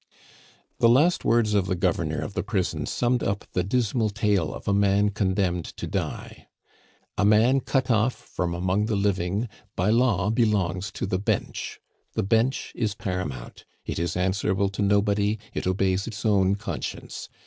The last words of the governor of the prison summed up the dismal tale of a man condemned to die. A man cut off from among the living by law belongs to the Bench. The Bench is paramount; it is answerable to nobody, it obeys its own conscience.